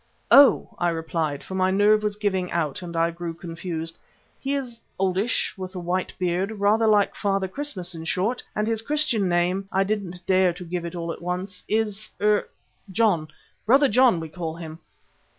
"Oh!" I replied, for my nerve was giving out and I grew confused, "he is oldish, with a white beard, rather like Father Christmas in short, and his Christian name (I didn't dare to give it all at once) is er John, Brother John, we call him.